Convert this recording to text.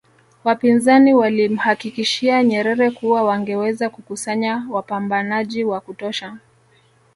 Wapinzani walimhakikishia Nyerere kuwa wangeweza kukusanya wapambanaji wa kutosha